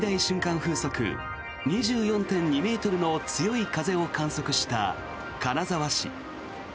風速２４．２ｍの強い風を観測した金沢市。